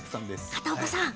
片岡さん